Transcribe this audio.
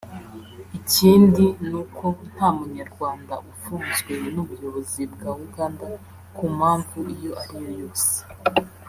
Ikindi ni uko nta Munyarwanda ufunzwe n’ubuyobozi bwa Uganda ku mpamvu iyo ari yo yose